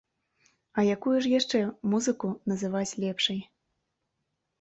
А якую ж яшчэ музыку называць лепшай!?